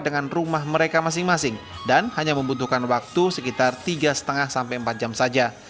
dengan rumah mereka masing masing dan hanya membutuhkan waktu sekitar tiga lima sampai empat jam saja